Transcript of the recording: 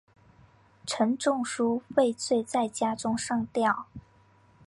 陈仲书畏罪在家中上吊。